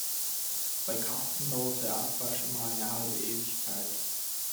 Bei Karsten dauert der Abwasch immer eine halbe Ewigkeit.